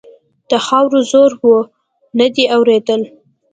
د خاورو زور و؛ نه دې اورېدل.